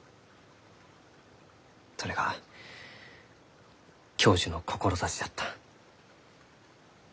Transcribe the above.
それが教授の志じゃった。